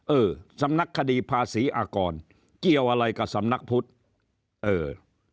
เออสำนักคดีภาษีอากรเกี่ยวอะไรกับสำนักพุทธเออ